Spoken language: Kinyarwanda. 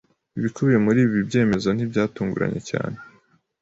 Ibikubiye muri ibi byemezo ntibyatunguranye cyane